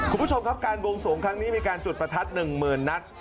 คุณผู้ชมครับการบวงสวงครั้งนี้มีการจุดประทัด๑๐๐๐นัด